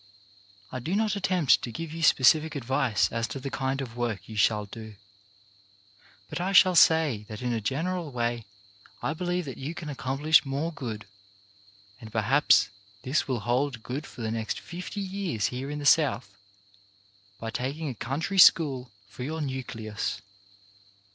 I do not attempt to give you specific advice as to the kind of work you shall do, but I should say that in a general way I believe that you can ac complish more good — and perhaps this will hold good for the next fifty years here in the South — 288 CHARACTER BUILDING by taking a country school for your nucleus.